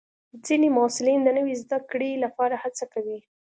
ځینې محصلین د نوي زده کړې لپاره هڅه کوي.